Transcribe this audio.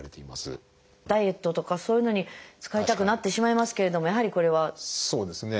ダイエットとかそういうのに使いたくなってしまいますけれどもやはりこれは駄目ですね。